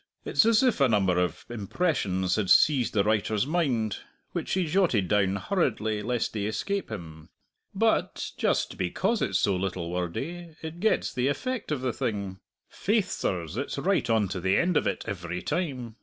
It's as if a number of impressions had seized the writer's mind, which he jotted down hurriedly, lest they should escape him. But, just because it's so little wordy, it gets the effect of the thing faith, sirs, it's right on to the end of it every time!